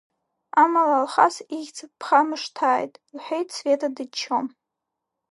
Амала, Алхас, ихьӡ бхамышҭааит, — лҳәеит Света дыччо.